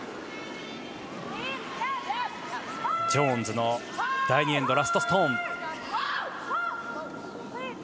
ジョーンズの第２エンド、ラストストーン。